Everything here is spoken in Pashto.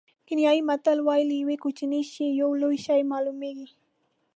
کینیايي متل وایي له یوه کوچني شي یو لوی شی معلومېږي.